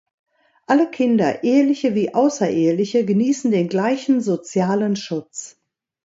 Alle Kinder, eheliche wie außereheliche, genießen den gleichen sozialen Schutz.